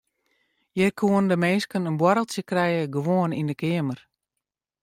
Hjir koenen de minsken in boarreltsje krije gewoan yn de keamer.